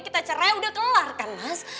kita cerai udah kelar kan mas